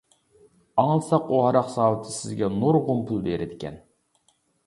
ئاڭلىساق ئۇ ھاراق زاۋۇتى سىزگە نۇرغۇن پۇل بېرىدىكەن.